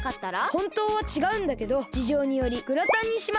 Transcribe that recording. ホントはちがうんだけどじじょうによりグラタンにします。